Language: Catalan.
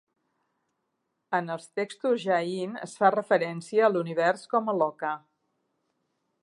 En els textos Jain, es fa referència a l'univers com a Loka.